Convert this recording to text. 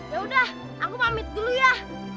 ya udah aku pamit dulu ya